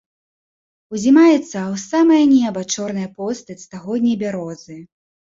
Узнімаецца ў самае неба чорная постаць стагодняй бярозы.